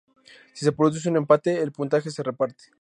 Si se produce un empate, el puntaje se reparte.